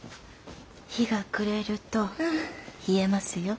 日が暮れると冷えますよ。